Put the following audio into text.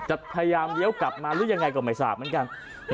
จะพยายามเลี้ยวกลับมาหรือยังไงก็ไม่ทราบเหมือนกัน